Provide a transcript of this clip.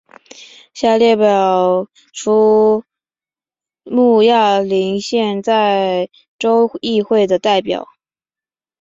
下表列出慕亚林县在州议会的代表。